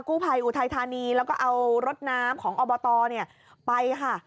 กู้ภัยอุทัยธานีแล้วก็เอารถน้ำของอบตไปค่ะ